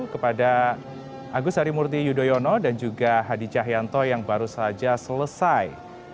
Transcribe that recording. kepada agus harimurti yudhoyono dan juga hadi cahyanto yang baru saja selesai